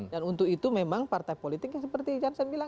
dan untuk itu memang partai politiknya seperti jansen bilang